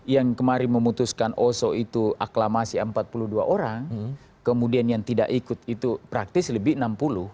yang kemarin memutuskan oso itu aklamasi empat puluh dua orang kemudian yang tidak ikut itu praktis lebih enam puluh